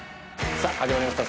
さぁ始まりました